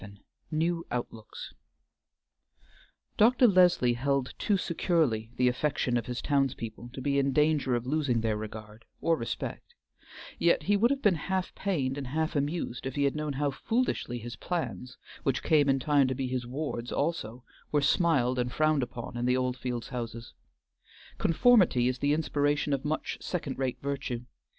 XI NEW OUTLOOKS Dr. Leslie held too securely the affection of his townspeople to be in danger of losing their regard or respect, yet he would have been half pained and half amused if he had known how foolishly his plans, which came in time to be his ward's also, were smiled and frowned upon in the Oldfields houses. Conformity is the inspiration of much second rate virtue.